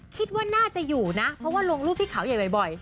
คิดว่าน่าจะอยู่นะเพราะว่าลงรูปที่เขาใหญ่บ่อย